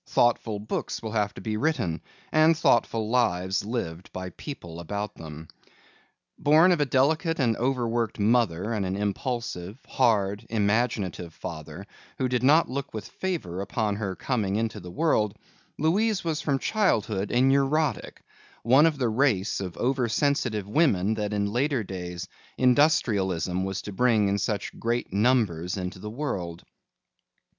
Thoughtful books will have to be written and thoughtful lives lived by people about them. Born of a delicate and overworked mother, and an impulsive, hard, imaginative father, who did not look with favor upon her coming into the world, Louise was from childhood a neurotic, one of the race of over sensitive women that in later days industrialism was to bring in such great numbers into the world.